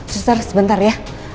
sus sebentar ya